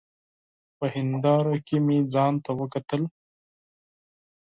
په هېنداره کي مي ځانته وکتل !